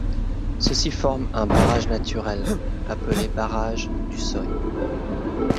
Ceci forme un barrage naturel, appelé barrage d'Usoi.